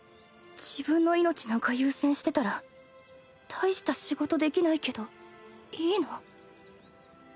自分の命なんか優先してたら大した仕事できないけどいいの？